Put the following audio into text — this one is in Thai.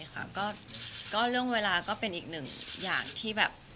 ก็เรื่องเวลาก็เป็นอีกหนึ่งอย่างที่แบบ